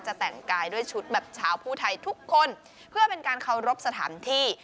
แต่งกายด้วยชุดแบบชาวผู้ไทยทุกคนเพื่อเป็นการเคารพสถานที่